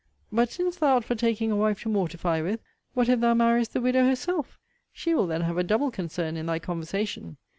But since thou art for taking a wife to mortify with, what if thou marriest the widow herself? She will then have a double concern in thy conversation.